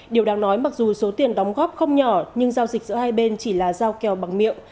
điều đáng nói mặc dù số tiền đóng góp không nhỏ nhưng giao dịch giữa hai bên chỉ là giao kèo bằng miệng